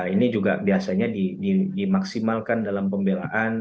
ini juga biasanya dimaksimalkan dalam pembelaan